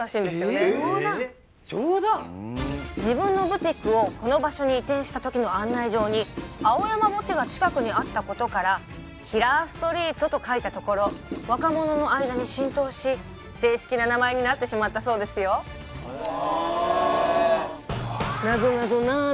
自分のブティックをこの場所に移転した時の案内状に青山墓地が近くにあったことから「キラーストリート」と書いたところ若者の間に浸透し正式な名前になってしまったそうですよへえわあ謎謎謎